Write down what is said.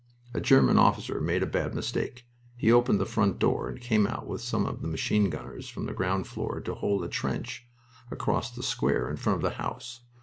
A German officer made a bad mistake. He opened the front door and came out with some of his machine gunners from the ground floor to hold a trench across the square in front of the house.